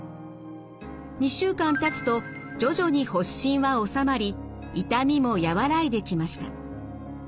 ２週間たつと徐々に発疹は治まり痛みも和らいできました。